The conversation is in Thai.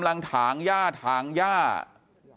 กลุ่มตัวเชียงใหม่